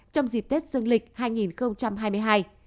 trong dịp tết dương lịch hai nghìn hai mươi hai